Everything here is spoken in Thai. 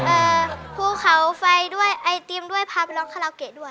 เอ่อภูเขาไฟด้วยไอติมด้วยพาไปร้องคาราโอเกะด้วย